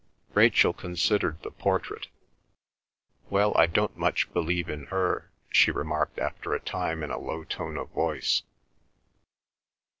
Rachel considered the portrait. "Well, I don't much believe in her," she remarked after a time in a low tone of voice.